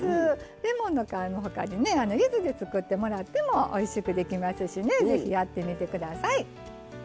レモンの皮の他にねゆずで作ってもらってもおいしくできますしね是非やってみて下さい。